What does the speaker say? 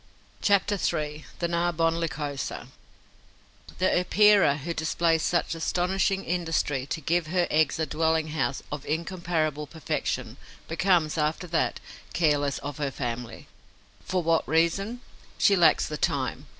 CHAPTER III: THE NARBONNE LYCOSA The Epeira, who displays such astonishing industry to give her eggs a dwelling house of incomparable perfection, becomes, after that, careless of her family. For what reason? She lacks the time.